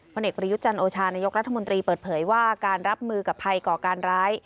เอกประยุทธ์จันโอชานายกรัฐมนตรีเปิดเผยว่าการรับมือกับภัยก่อการร้าย